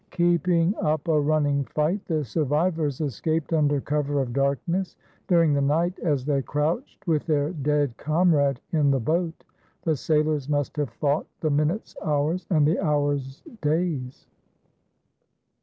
Keeping up a running fight, the survivors escaped under cover of darkness. During the night, as they crouched with their dead comrade in the boat, the sailors must have thought the minutes hours and the hours days.